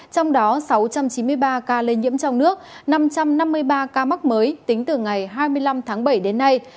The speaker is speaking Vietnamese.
trong đó sáu trăm chín mươi ba ca lây nhiễm trong nước năm trăm năm mươi ba ca mắc mới tính từ ngày hai mươi năm tháng bảy đến nay